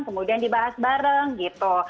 kemudian dibahas bareng gitu